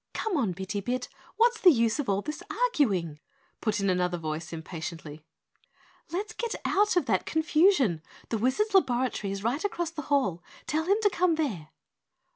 "Come on Bitty Bit, what's the use of all this arguing?" put in another voice impatiently. "Let's get out of that confusion. The Wizard's laboratory is right across the hall. Tell him to come there."